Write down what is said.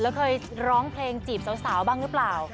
แล้วเคยร้องเพลงจีบสาวบ้างหรือเปล่า